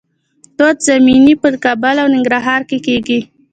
توت زمینی په کابل او ننګرهار کې کیږي.